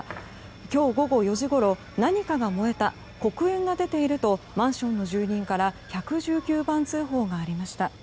今日午後４時ごろ何かが燃えた黒煙が出ているとマンションの住人から１１９番通報がありました。